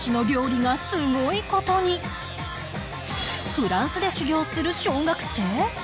フランスで修業する小学生！？